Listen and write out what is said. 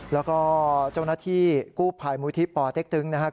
แล้วก็เจ้าหน้าที่กู้ภัยมูลที่ปเต็กตึงนะครับ